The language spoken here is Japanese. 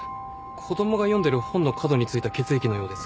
子供が読んでる本の角に付いた血液のようです。